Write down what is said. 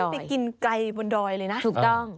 ต้องขึ้นไปกินไก่บนดอยเลยนะถูกต้อง